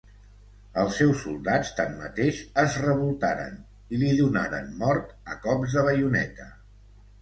Els seus soldats tanmateix es revoltaren i li donaren mort a cops de baioneta.